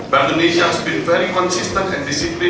bank indonesia telah sangat konsisten dan disiplin